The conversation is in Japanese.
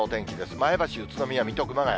前橋、宇都宮、水戸、熊谷。